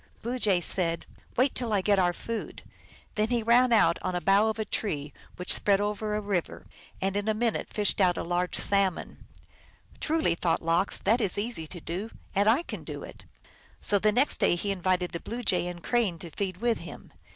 Blue Jay said, " Wait till I get our food." Then he ran out on a bough of a tree which spread over a river, and in a minute fished out a large salmon. " Truly," thought Lox, " that is easy to do, and I can do it." 180 THE ALGONQUIN LEGENDS. So the next day he invited the Blue Jay and Crane to feed with him.